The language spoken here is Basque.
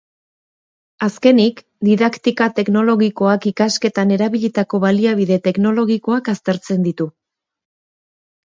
Azkenik, didaktika teknologikoak ikasketan erabilitako baliabide teknologikoak aztertzen ditu.